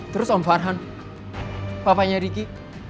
terus om farhan papanya ricky